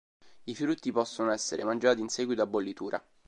I frutti possono essere mangiati in seguito a bollitura.